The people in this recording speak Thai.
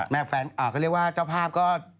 แมกแฟนร์์ะก็เรียกว่าเจ้าพาพก็